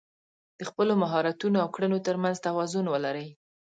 د خپلو مهارتونو او کړنو تر منځ توازن ولرئ.